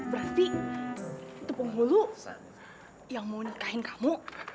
berarti itu penghulu yang mau nikahin kamu